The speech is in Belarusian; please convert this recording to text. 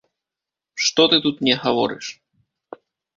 Што ты тут мне гаворыш!